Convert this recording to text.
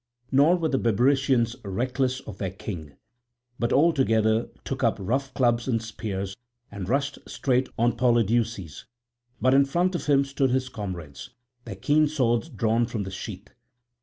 Nor were the Bebrycians reckless of their king; but all together took up rough clubs and spears and rushed straight on Polydeuces. But in front of him stood his comrades, their keen swords drawn from the sheath.